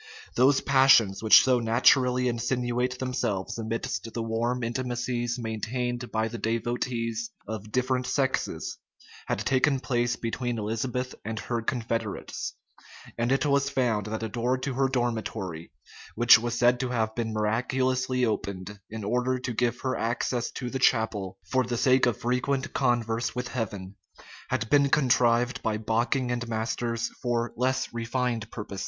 Those passions which so naturally insinuate themselves amidst the warm intimacies maintained by the devotees of different sexes, had taken place between Elizabeth and her confederates; and it was found that a door to her dormitory, which was said to have been miraculously opened, in order to give her access to the chapel, for the sake of frequent converse with Heaven, had been contrived by Bocking and Masters for less refined purposes.